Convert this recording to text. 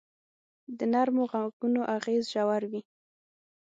د نرمو ږغونو اغېز ژور وي.